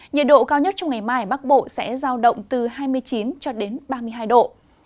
nhiệt độ cao nhất trong ngày mai ở bắc bộ sẽ giao động từ hai mươi chín cho đến ba mươi hai độ